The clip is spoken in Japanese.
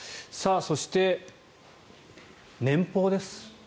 そして年俸です。